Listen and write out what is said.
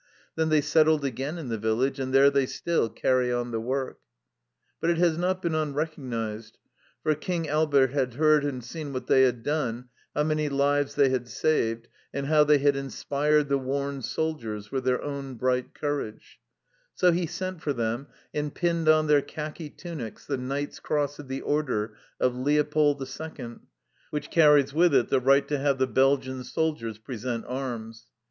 Then they settled again in the village, and there they still carry on the work. But it has not been unrecognized, for King Albert had heard and seen what they had done, how many lives they had saved, and how they had inspired the worn soldiers with their own bright courage ; so he sent for them and pinned on their khaki tunics the Knights' Cross of the Order of Leopold II., which carries with it the right to have the Belgian soldiers present arms.